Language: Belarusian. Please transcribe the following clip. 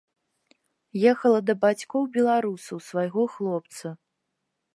Ехала да бацькоў-беларусаў свайго хлопца.